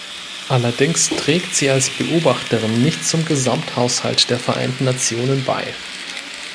Allerdings trägt sie als Beobachterin nicht zum Gesamthaushalt der Vereinten Nationen bei.